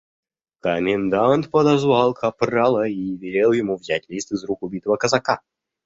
Комендант подозвал капрала и велел ему взять лист из рук убитого казака.